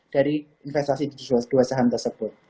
dari investasi di dua saham tersebut